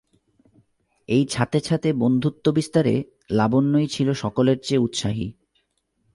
এই ছাতে ছাতে বন্ধুত্ব-বিস্তারে লাবণ্যই ছিল সকলের চেয়ে উৎসাহী।